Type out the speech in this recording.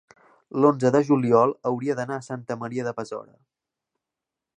l'onze de juliol hauria d'anar a Santa Maria de Besora.